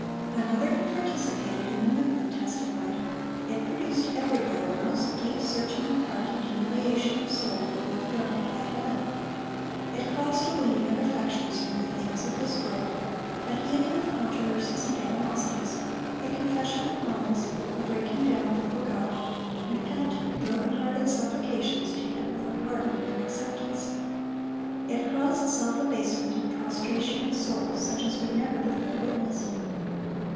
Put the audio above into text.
(656) Another who participated in the movement testified: "It produced everywhere the most deep searching of heart and humiliation of soul before the God of high heaven. It caused a weaning of affections from the things of this world, a healing of controversies and animosities, a confession of wrongs, a breaking down before God, and penitent, broken hearted supplications to Him for pardon and acceptance. It caused self abasement and prostration of soul, such as we never before witnessed.